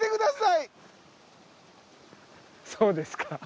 そうですか。